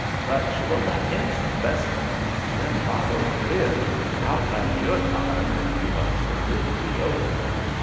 But she was a handsome vessel. Them live oak ribs'll outlast your time, if you was to live to be old."